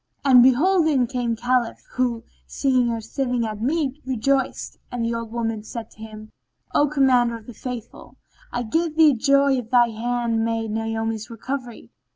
And behold in came the Caliph who, seeing her sitting at meat, rejoiced; and the old woman said to him, "O Commander of the Faithful, I give thee joy of thy hand maid Naomi's recovery!